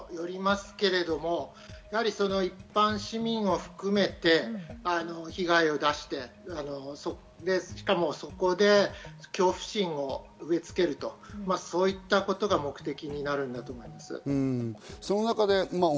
物にもよりますけど、一般市民を含めて被害を出して、しかも、そこで恐怖心を植え付ける、そういったことが目的になるんだと思います。